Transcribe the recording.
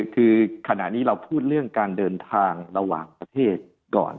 คือขณะนี้เราพูดเรื่องการเดินทางระหว่างประเทศก่อน